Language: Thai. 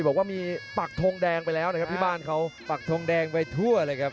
บอกว่ามีปักทงแดงไปแล้วนะครับที่บ้านเขาปักทงแดงไปทั่วเลยครับ